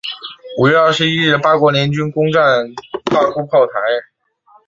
五月二十一日八国联军攻战大沽炮台。